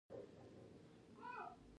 زوړ سلطان ناست وو.